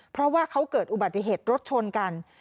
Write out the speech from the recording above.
เพราะว่าเขาเกิดอุบัติเหตุรถชนกัน